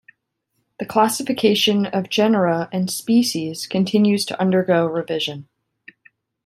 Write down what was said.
The classification of genera and species continues to undergo revision.